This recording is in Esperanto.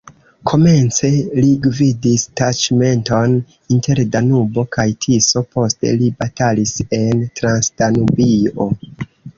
Komence li gvidis taĉmenton inter Danubo kaj Tiso, poste li batalis en Transdanubio.